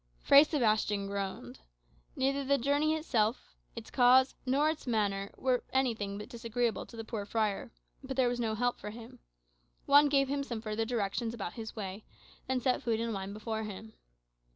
Fray Sebastian groaned. Neither the journey itself, its cause, nor its manner were anything but disagreeable to the poor friar. But there was no help for him. Juan gave him some further directions about his way; then set food and wine before him.